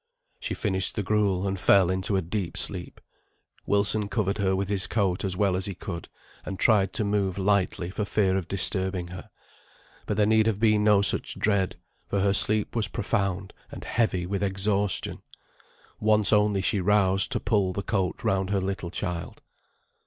She finished the gruel, and fell into a deep sleep. Wilson covered her with his coat as well as he could, and tried to move lightly for fear of disturbing her; but there need have been no such dread, for her sleep was profound and heavy with exhaustion. Once only she roused to pull the coat round her little child.